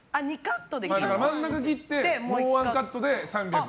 だから真ん中切ってもうワンカットで３００。